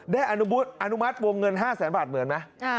อนุมัติวงเงิน๕แสนบาทเหมือนไหม